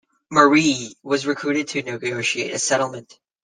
Marie, was recruited to negotiate a settlement.